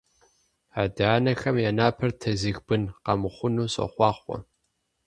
Адэ-анэхэм я напэр тезых бын къэмыхъуну сохъуахъуэ!